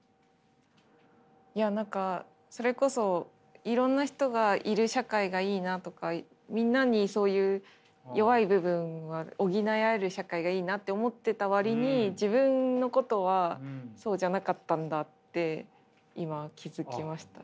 いや何かそれこそいろんな人がいる社会がいいなとかみんなにそういう弱い部分は補い合える社会がいいなって思ってた割に自分のことはそうじゃなかったんだって今気付きました。